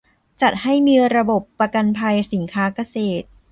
จัดให้มีระบบประกันภัยสินค้าเกษตร